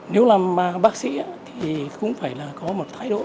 nếu làm bác sĩ thì cũng phải là có một thái độ